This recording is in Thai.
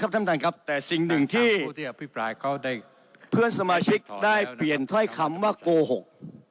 แต่สิ่งหนึ่งที่เพื่อนสมาชิกได้เปลี่ยนถ้อยคำว่าโกหก